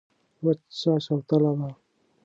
وچه شوتله وه.